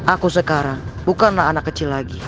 aku sekarang bukanlah anak kecil lagi